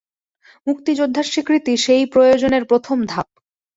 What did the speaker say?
মুক্তিযোদ্ধার স্বীকৃতি সেই প্রয়োজনের প্রথম ধাপ।